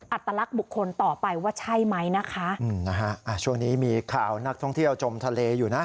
อัตลักษณ์บุคคลต่อไปว่าใช่ไหมนะคะอืมนะฮะอ่าช่วงนี้มีข่าวนักท่องเที่ยวจมทะเลอยู่นะ